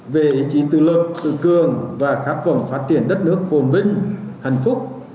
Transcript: về ý chí tự lực tự cường và khát vọng phát triển đất nước phồn vinh hạnh phúc